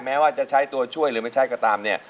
แม้ว่าจะใช้ตัวช่วยหรือไม่ใช้ก็ตามเนี่ย